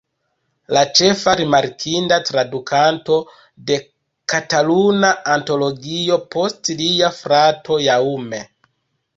La ĉefa rimarkinda tradukanto de Kataluna Antologio post lia frato Jaume.